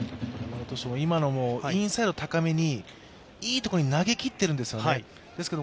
今のもインサイド高めにいいところに投げきってるんですよね。